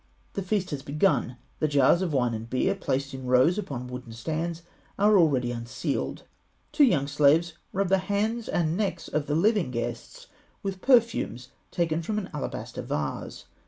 The feast has begun. The jars of wine and beer, placed in rows upon wooden stands, are already unsealed. Two young slaves rub the hands and necks of the living guests with perfumes taken from an alabaster vase.